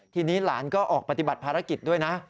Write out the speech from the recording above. ทีนี้หลานก็ออกปฏิบัติภารกิจด้วยนะ